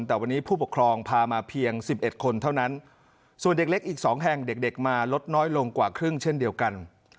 แต่วันนี้ผู้ปกครองพามาเพียง๑๑คนเท่านั้นส่วนเด็กเล็กอีก๒แห่งเด็กมาลดน้อยลงกว่าครึ่งเช่นเดียวกัน